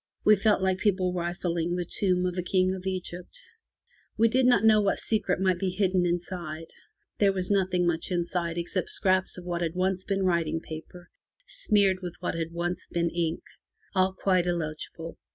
We felt like people rifling the tomb of a King of Egypt. We did not know what secret might be hidden inside. There was nothing much inside except scraps of what had once been writing paper smeared with what had once been ink. All quite illegible.